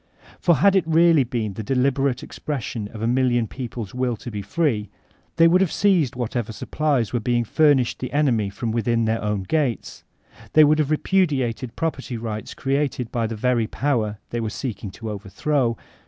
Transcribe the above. For had it really been the deliberate expressioQ of a million people's will to be f ree^ they would have teiaed The Pasis CoMiraMS > (2^ whatcrer topiiliet were being furnished the enemy from within their own gates ; they would have repudiated prop erty rights created by the very power they were seeking to overthrow.